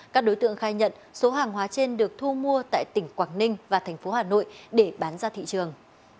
các đối tượng khai nhận số hàng hóa trên được thu mua tại tỉnh quảng ninh và thành phố hà nội để bán ra thị trường